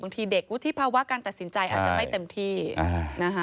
ทีเด็กวุฒิภาวะการตัดสินใจอาจจะไม่เต็มที่นะคะ